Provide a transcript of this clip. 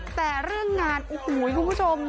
แต่เรื่องงานโอ้โหคุณผู้ชม